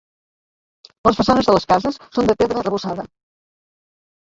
Les façanes de les cases són de pedra arrebossada.